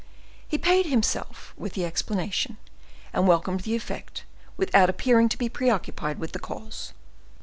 He paid himself with the explanation, and welcomed the effect, without appearing to be preoccupied with the cause.